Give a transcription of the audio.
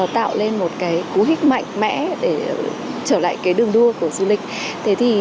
tạo lên một cú hít mạnh mẽ để trở lại đường đua của du lịch